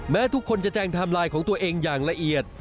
แม้ทุกคนจะแจ้งทำลายของตัวเองอย่างละเอียด